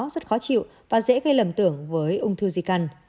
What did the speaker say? rất khó chịu và dễ gây lầm tưởng với ung thư di căn